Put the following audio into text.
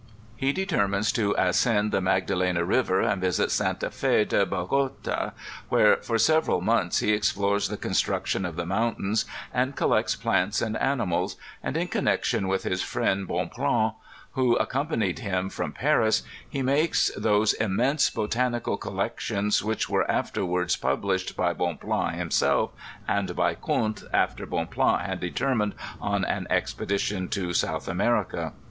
He de termines to ascend the Magdalena river and visit Santa F6 de Bog6ta, where, for several months, he explores the construction of the mountains, and collects plants ana animals ; and, in con nection with his friend, Bonpland, who accompanied him from Paris, he makes those immense botanical collections, which were afterwards published by Bonpland himself, and by Kunth after Bonpland had determined on an expedition to South America.